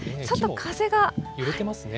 木も揺れてますね。